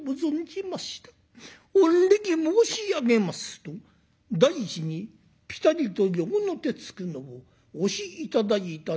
お礼申し上げます」と大地にぴたりと両の手つくのを押し頂いた伝次郎。